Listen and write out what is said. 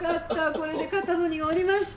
これで肩の荷が下りました。